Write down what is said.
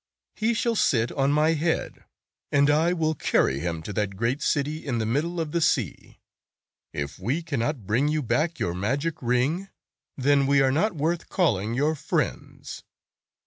He shall sit on my head, and I will carry him to that great city in the middle of the sea. If we cannot bring you back your magic ring, then we are not worth calling your friends."